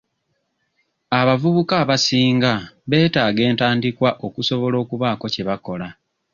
Abavubuka abasinga beetaaga entandikwa okusobola okubaako kye bakola.